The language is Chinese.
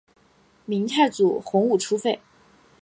明太祖洪武初废。